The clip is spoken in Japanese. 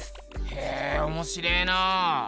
へえおもしれえな。